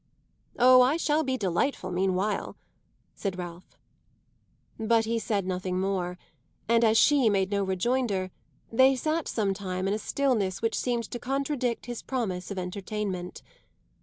"Oh, I shall be delightful meanwhile," said Ralph. But he said nothing more, and as she made no rejoinder they sat some time in a stillness which seemed to contradict his promise of entertainment.